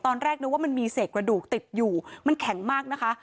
ตอนแรกนึกว่ามันมีเศษกระดูกติดอยู่มันแข็งมากนะคะ